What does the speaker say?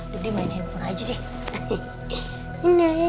tadi main handphone aja deh